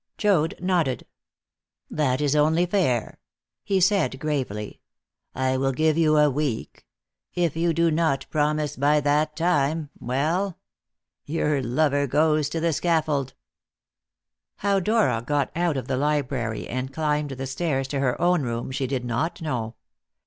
Joad nodded. "That is only fair," he said gravely. "I will give you a week. If you do not promise by that time, well your lover goes to the scaffold." How Dora got out of the library and climbed the stairs to her own room she did not know.